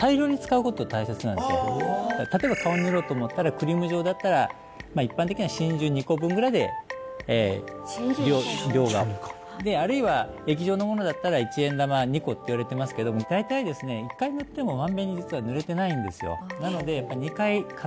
例えば顔に塗ろうと思ったらクリーム状だったら一般的には真珠２個分ぐらいで量がであるいは液状のものだったら一円玉２個っていわれてますけども大体ですね１回塗っても満遍に実は塗れてないんですよ